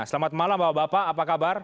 selamat malam bapak bapak apa kabar